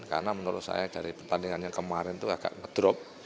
karena menurut saya dari pertandingannya kemarin itu agak ngedrop